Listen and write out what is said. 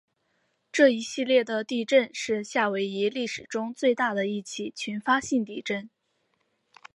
这一系列的地震是夏威夷历史中最大的一起群发性地震。